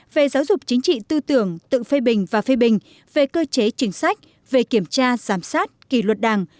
về giáo dục chính trị tư tưởng tự phê bình và phê bình về cơ chế chính sách về kiểm tra giám sát kỳ luật đảng